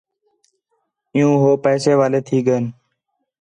عِیّوں ہو پیسے والے تھی ڳئین